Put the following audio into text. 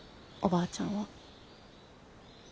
おばあちゃんは。